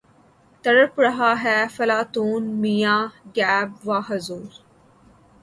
تڑپ رہا ہے فلاطوں میان غیب و حضور